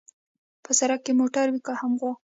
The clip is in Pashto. په سړک هم موټر وي هم غوا.